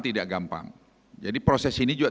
tidak gampang jadi proses ini juga